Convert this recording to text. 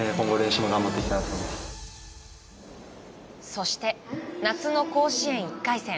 そして夏の甲子園１回戦。